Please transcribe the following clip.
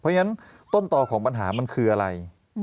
เพราะฉะนั้นต้นต่อของปัญหามันคืออะไร